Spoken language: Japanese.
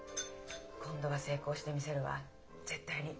今度は成功してみせるわ絶対に。